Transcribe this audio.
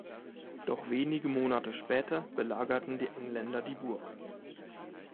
Doch wenige Monate später belagerten die Engländer die Burg.